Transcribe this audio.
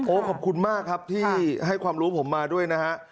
ขอบคุณมากครับที่ให้ความรู้ผมมาด้วยนะฮะ